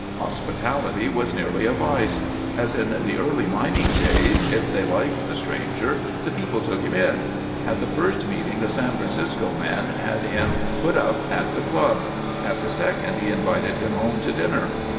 Hospitality was nearly a vice. As in the early mining days, if they liked the stranger the people took him in. At the first meeting the San Francisco man had him put up at the club; at the second, he invited him home to dinner.